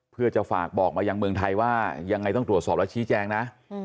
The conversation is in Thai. เพื่อจะฝากบอกมายังเมืองไทยว่ายังไงต้องตรวจสอบแล้วชี้แจงนะ